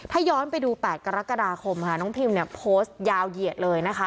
ถ้าย้อนไปดู๘กรกฎาคมค่ะน้องพิมเนี่ยโพสต์ยาวเหยียดเลยนะคะ